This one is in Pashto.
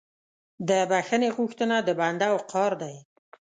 د بخښنې غوښتنه د بنده وقار دی.